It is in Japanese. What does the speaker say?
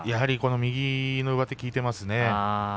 右の上手が効いていますね。